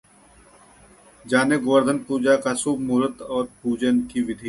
जानें, गोवर्धन पूजा का शुभ मुहूर्त और पूजन की विधि